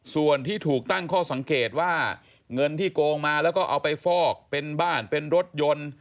ส่วนที่ถูกตั้งข้อสังเกตว่าเงินที่โกงมาแล้วก็เอาไปฟอกเป็นบ้านเป็นรถยนต์